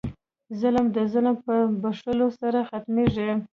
ظلم د ظلم په بښلو سره ختمېږي.